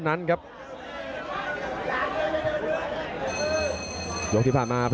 หมดยกที่สองครับ